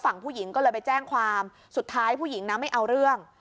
ฝั่งผู้หญิงก็เลยไปแจ้งความสุดท้ายผู้หญิงนะไม่เอาเรื่อง